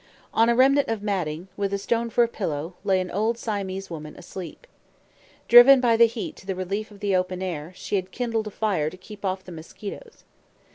On a remnant of matting, with a stone for a pillow, lay an old Siamese woman asleep. Driven by the heat to the relief of the open air, she had kindled a fire to keep off the mosquitoes.